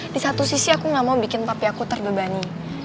di satu sisi aku gak mau bikin papi aku terbebani